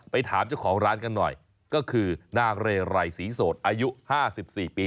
ถามเจ้าของร้านกันหน่อยก็คือนางเรไรศรีโสดอายุ๕๔ปี